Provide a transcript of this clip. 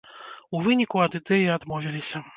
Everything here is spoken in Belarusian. У выніку ад ідэі адмовіліся.